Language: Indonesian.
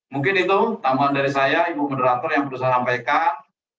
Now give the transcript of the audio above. mungkin itu tambahan dari saya ibu moderator yang perlu saya sampaikan